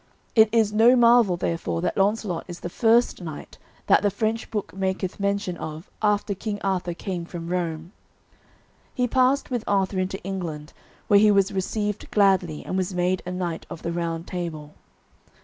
It is no marvel, therefore, that Launcelot is the first knight that the French book maketh mention of after King Arthur came from Rome. He passed with Arthur into England, where he was received gladly and was made a knight of the Round Table.